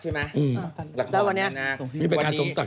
จากธนาคารกรุงเทพฯ